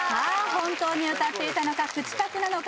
本当に歌っていたのか口パクなのか？